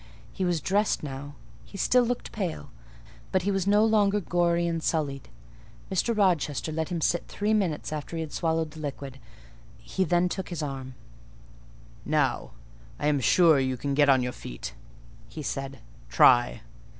He was dressed now: he still looked pale, but he was no longer gory and sullied. Mr. Rochester let him sit three minutes after he had swallowed the liquid; he then took his arm— "Now I am sure you can get on your feet," he said—"try."